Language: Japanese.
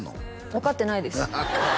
分かってないです